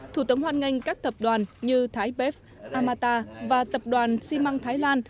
thủ tướng hoan nghênh các tập đoàn như thái bếp amata và tập đoàn ximang thái lan